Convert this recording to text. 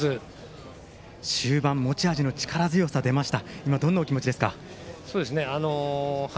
終盤、持ち味の力強さが出ました